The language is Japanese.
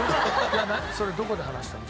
それどこで話したの？